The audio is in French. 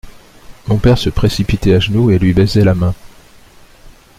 Mon père se précipitait à genoux et lui baisait la main.